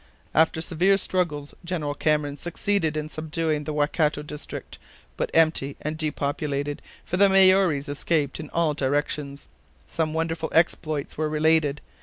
After severe struggles General Cameron succeeded in subduing the Waikato district, but empty and depopulated, for the Maories escaped in all directions. Some wonderful exploits were related.